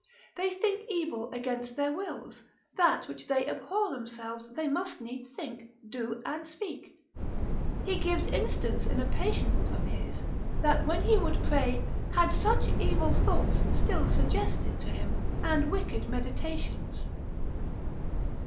They think evil against their wills; that which they abhor themselves, they must needs think, do, and speak. He gives instance in a patient of his, that when he would pray, had such evil thoughts still suggested to him, and wicked meditations.